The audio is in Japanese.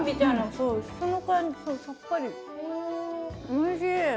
おいしい！